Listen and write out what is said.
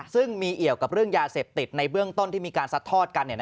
ซึ่งมีเอี่ยวกับเรื่องยาเสพติดในเบื้องต้นที่มีการซัดทอดกัน